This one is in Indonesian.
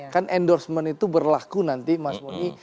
kan endorsement itu berlaku nanti mas boni